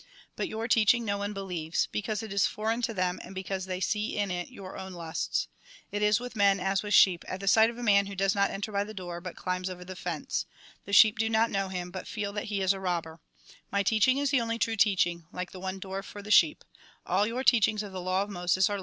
But your teaching, no one believes ; be cause it is foreign to them, and because they see in it your own lusts. It is with men as with sheep, at the sight of a man who does not enter by the door, but climbs over the fence. The sheep do not know him, but feel that he is a robber. My teaching is the only true teaching; like the one door for the sheep. All your teachings of the law of Moses are Jn. viii. 56. / AND THE FATHER ARE ONE 99 Jn. X. 9. 12.